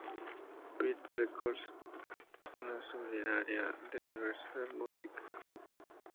Beat Records, una subsidiaria de Universal Music Group.